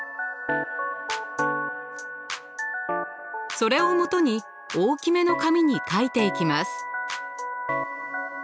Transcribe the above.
それをもとに大きめの紙に描いていきます。